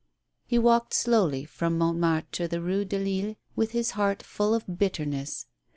He walked slowly from Montmartre to the Eue de Lille with his heart full of bitterness.